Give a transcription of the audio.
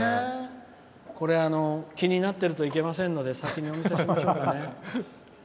これ気になっているといけませんので先にお見せしましょうかね。